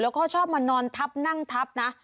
แล้วก็ชอบมานอนทับนั่งทับนะ